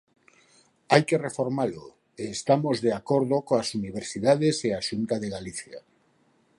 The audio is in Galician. Hai que reformalo, e estamos de acordo coas universidades e a Xunta de Galicia.